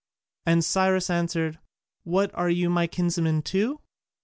And Cyrus answered, "What, are you my kinsman too?"